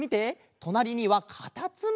となりにはかたつむり！